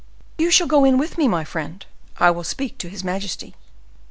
"You shall go in with me, my friend; I will speak to his majesty."